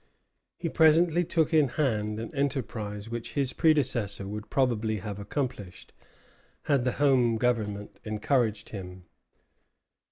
He presently took in hand an enterprise which his predecessor would probably have accomplished, had the Home Government encouraged him.